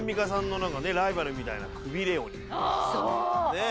ねえ